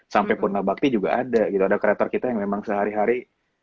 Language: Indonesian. sampai purna bakti juga ada gitu ada kreator kita yang memang sehari hari